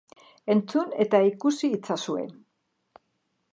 Entzun eta ikusi itzazue.